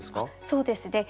そうですね。